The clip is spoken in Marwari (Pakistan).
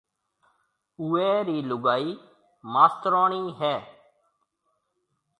اوئيَ رِي لوگائي ماستروڻِي ھيََََ